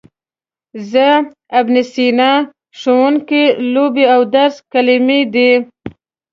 زه، ابن سینا، ښوونکی، لوبې او درس کلمې دي.